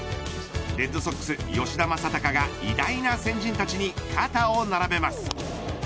レッドソックス吉田正尚が偉大な先人たちに肩を並べます。